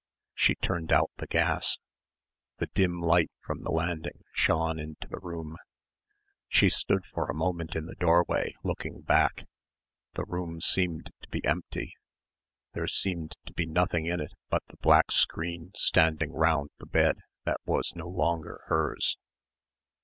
She turned out the gas. The dim light from the landing shone into the room. She stood for a moment in the doorway looking back. The room seemed to be empty. There seemed to be nothing in it but the black screen standing round the bed that was no longer hers.